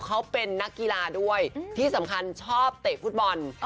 เขาเป็นนักกีฬาด้วยที่สำคัญชอบเตะฟุตบอล